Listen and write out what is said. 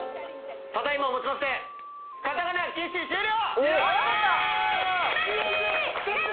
ただいまをもちましてカタカナ禁止終了！